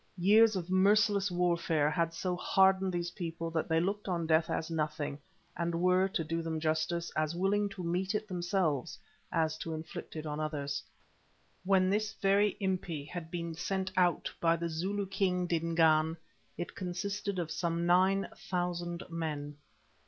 Years of merciless warfare had so hardened these people that they looked on death as nothing, and were, to do them justice, as willing to meet it themselves as to inflict it on others. When this very Impi had been sent out by the Zulu King Dingaan, it consisted of some nine thousand men.